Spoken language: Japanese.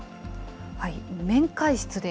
面会室で？